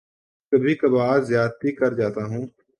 کبھی کبھار زیادتی کر جاتا ہوں